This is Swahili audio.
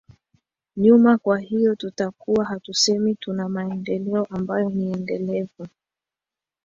nyuma kwa hiyo tutakuwa hatusemi tuna maendeleo ambayo ni endelevu